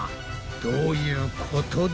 どういうことだ？